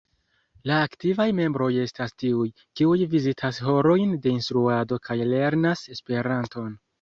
La aktivaj membroj estas tiuj, kiuj vizitas horojn de instruado kaj lernas Esperanton.